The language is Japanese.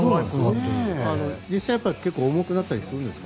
実際、結構重くなったりするんですか？